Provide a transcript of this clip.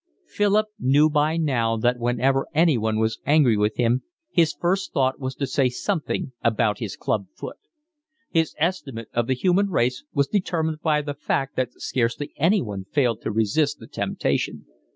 Philip knew by now that whenever anyone was angry with him his first thought was to say something about his club foot. His estimate of the human race was determined by the fact that scarcely anyone failed to resist the temptation.